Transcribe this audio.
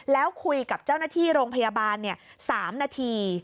แล้วคุยกับเจ้าหน้าที่โรงพยาบาล๓นาที